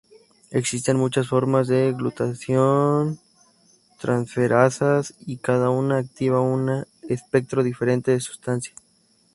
Existen muchas formas de glutation-transferasas, y cada una activa un espectro diferente de sustancias.